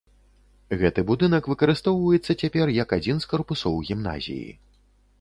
Гэты будынак выкарыстоўваецца цяпер як адзін з карпусоў гімназіі.